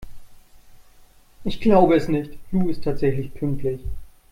Ich glaube es nicht, Lou ist tatsächlich pünktlich!